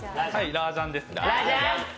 ラージャンです。